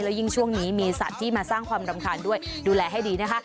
ยิ่งช่วงนี้มีสัตว์ที่มาสร้างความรำคาญด้วยดูแลให้ดีนะคะ